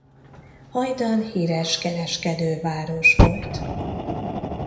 Hajdan hires kereskedő város volt.